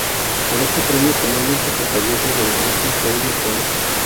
Pero este premio finalmente recayó sobre la misma Claudia Poll.